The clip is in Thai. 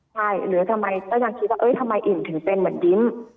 แล้วยังคิดว่าทำไมอิ่มถึงเป็นเหมือนดิน